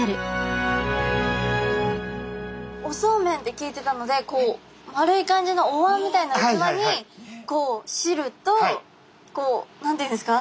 おそうめんって聞いてたのでこう丸い感じのおわんみたいなうつわにこうしるとこう何て言うんですか？